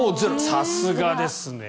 さすがですね。